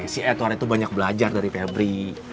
si edward itu banyak belajar dari febri